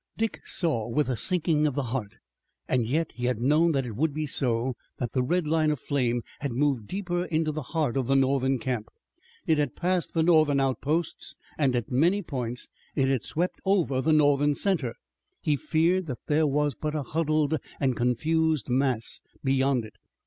Dick saw with a sinking of the heart and yet he had known that it would be so that the red line of flame had moved deeper into the heart of the Northern camp. It had passed the Northern outposts and, at many points, it had swept over the Northern center. He feared that there was but a huddled and confused mass beyond it.